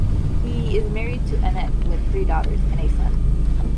He is married to Annette with three daughters and a son.